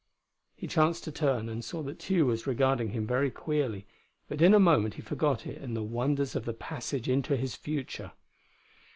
He chanced to turn, and saw that Tugh was regarding him very queerly; but in a moment he forgot it in the wonders of the passage into his future.